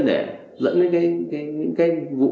để dẫn đến cái vụ